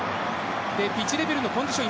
ピッチレベルのコンディション